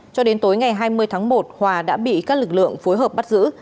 cho đến tối ngày hai mươi tháng một hòa đã bị các lực lượng phối hợp bắt giữ